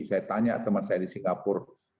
saya tanya teman saya di singapura